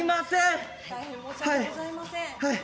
はいはい大変申し訳ございません